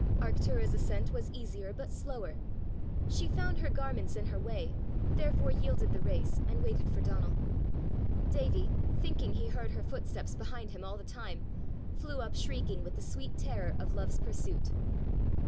Arctura's ascent was easier but slower: she found her garments in her way, therefore yielded the race, and waited for Donal. Davie, thinking he heard her footsteps behind him all the time, flew up shrieking with the sweet terror of love's pursuit.